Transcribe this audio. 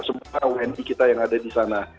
semua wni kita yang ada di sana